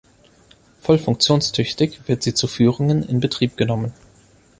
Voll funktionstüchtig wird sie zu Führungen in Betrieb genommen.